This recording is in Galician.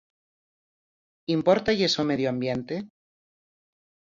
¿Impórtalles o medio ambiente?